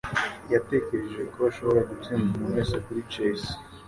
Yatekereje ko ashobora gutsinda umuntu wese kuri chess